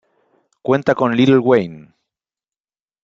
Cuenta con Lil' Wayne.